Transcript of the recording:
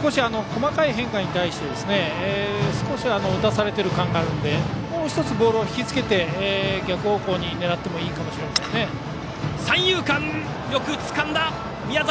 少し細かい変化に対して打たされている感があるのでもう１つ、ボールを引き付けて逆方向に狙ってもよくつかんだ宮崎！